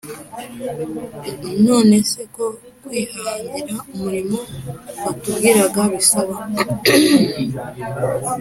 − None se ko kwihangira umurimo batubwiraga bisaba